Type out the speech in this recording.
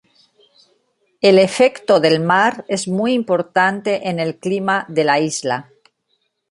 El efecto del mar es muy importante en el clima de la isla.